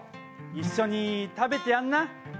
一緒に食べてやんな。